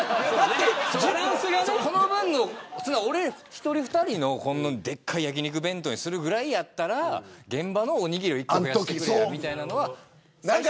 １人２人、でっかい焼き肉弁当にするぐらいやったら現場のおにぎりを１個増やしてくれや、みたいなのは。